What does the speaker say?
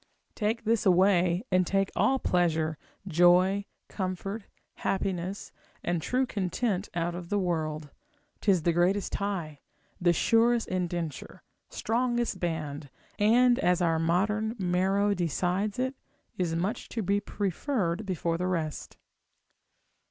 Take this away, and take all pleasure, joy, comfort, happiness, and true content out of the world; 'tis the greatest tie, the surest indenture, strongest band, and, as our modern Maro decides it, is much to be preferred before the rest.